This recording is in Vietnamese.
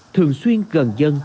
thường xuyên gần dân